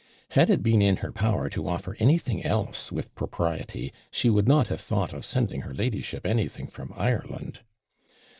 Had it been in her power to offer anything else with propriety, she would not have thought of sending her ladyship anything from Ireland.